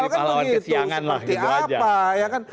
seperti apa ya kan